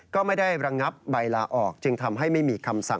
คิดว่าไม่ได้รับความปลอดภัย